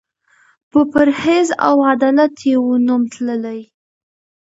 په پرهېز او عدالت یې وو نوم تللی